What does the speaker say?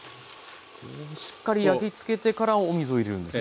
しっかり焼き付けてからお水を入れるんですね？